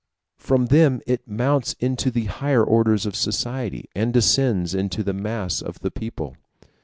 From them it mounts into the higher orders of society, and descends into the mass of the people.